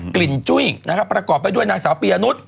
กลิ่นจุ้ยประกอบไปด้วยนางเสาเปียนุษย์